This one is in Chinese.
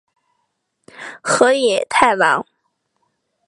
河野太郎。